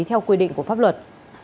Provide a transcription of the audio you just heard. theo quy định của pháp luật